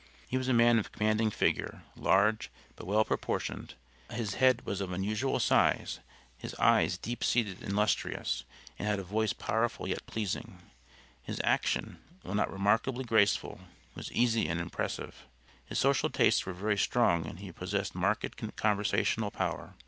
He was a man of commanding figure, large but well proportioned. His head was of unusual size, his eyes deep seated and lustrious, and had a voice powerful yet pleasing; his action, while not remarkably graceful, was easy and impressive. His social tastes were very strong and he possessed marked conversational power.